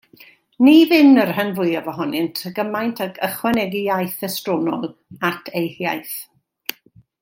Ni fynn y rhan fwyaf ohonynt gymaint ag ychwanegu iaith estronol at eu hiaith.